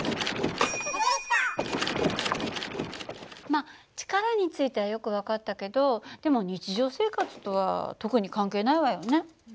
まあ力についてはよく分かったけどでも日常生活とは特に関係ないわよね。